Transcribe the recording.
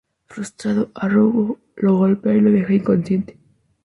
Frustrado, "Arrow" lo golpea y lo deja inconsciente.